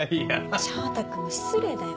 翔太君失礼だよ。